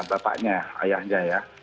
bapaknya ayahnya ya